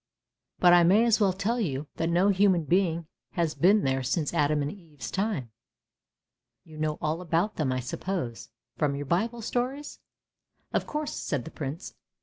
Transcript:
But I may as well tell you that no human being has been there since Adam and Eve's time. You know all about them, I suppose, from your Bible stories? "" Of course," said the Prince.